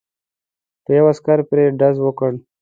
یو عسکر پرې ډز وکړ.